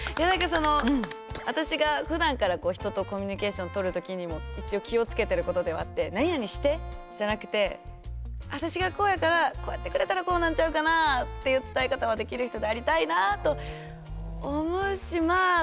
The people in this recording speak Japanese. いや何かその私がふだんから人とコミュニケーションとる時にも一応気を付けてることではあって「何々して」じゃなくて「私がこうやからこうやってくれたらこうなんちゃうかな？」っていう伝え方はできる人でありたいなあと思うしまあ